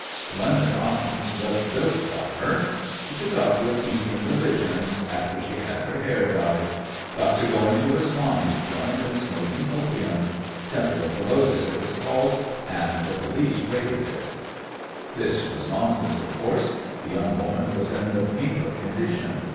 Splendid arms, but dope got her. She took up with Eastern religions after she had her hair dyed. Got to going to a Swami's joint, and smoking opium. Temple of the Lotus, it was called, and the police raided it.' "This was nonsense, of course; the young woman was in the pink of condition.